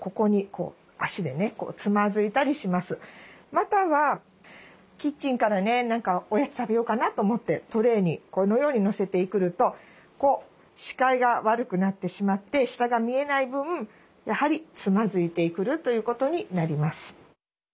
またはキッチンからねおやつ食べようかなと思ってトレーにこのように載せてくると視界が悪くなってしまって下が見えない分やはりつまずいてくることになります。